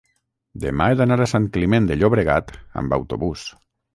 demà he d'anar a Sant Climent de Llobregat amb autobús.